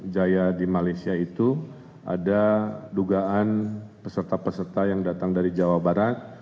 jaya di malaysia itu ada dugaan peserta peserta yang datang dari jawa barat